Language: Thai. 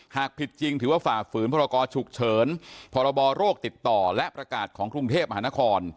หากผิดจริงถือว่าฝ่าฝืนพรกรฉุกเฉินพรบโรคติดต่อและประกาศของกรุงเทพมหานคร